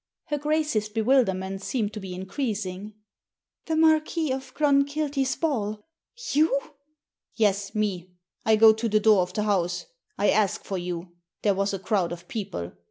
Her Grace's bewilderment seemed to be increasing. " The Marquis of Clonkilty's ball f You ?" "Yes, me. I go to the door of the house. I ask for you. There was a crowd of people.